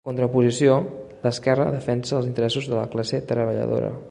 En contraposició, l'esquerra defensa els interessos de la classe treballadora.